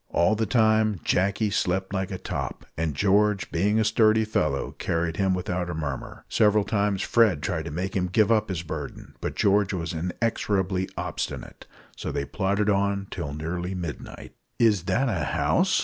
All the time Jacky slept like a top, and George, being a sturdy fellow, carried him without a murmur. Several times Fred tried to make him give up his burden, but George was inexorably obstinate. So they plodded on till nearly midnight. "Is that a house?"